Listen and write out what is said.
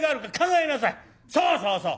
そうそうそう！